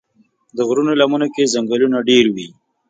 د غرونو لمنو کې ځنګلونه ډېر وي.